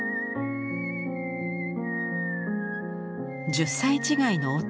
１０歳違いの弟